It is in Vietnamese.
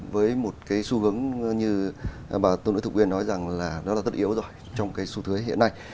với một cái xu hướng như bà tôn nữ thục nguyên nói rằng là nó là rất yếu rồi trong cái xu thế hiện nay